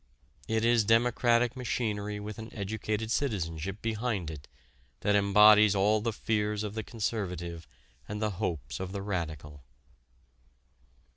It is democratic machinery with an educated citizenship behind it that embodies all the fears of the conservative and the hopes of the radical.